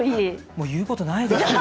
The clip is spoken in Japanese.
言うことないですね。